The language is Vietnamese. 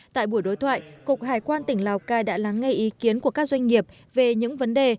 tại buổi đối thoại cục hải quan tỉnh lào cai đã lắng ngay ý kiến của các doanh nghiệp về những vấn đề